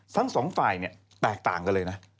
ทั้งสองฝ่ายเนี่ยแตกต่างกันเลยนะ